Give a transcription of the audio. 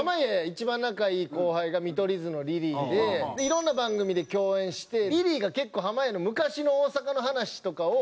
一番仲いい後輩が見取り図のリリーでいろんな番組で共演してリリーが結構濱家の昔の大阪の話とかを。